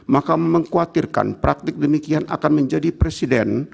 maka mengkhawatirkan praktik demikian akan menjadi presiden